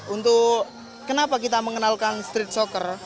untuk kenapa kita mengenalkan street soccer